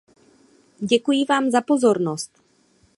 Děkuji vám za pozornost.